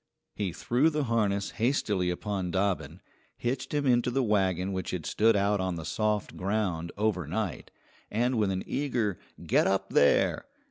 He threw the harness hastily upon Dobbin, hitched him into the wagon which had stood out on the soft ground overnight, and with an eager "Get up, there!"